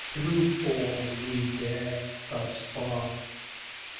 _ Through Paul we dare thus far.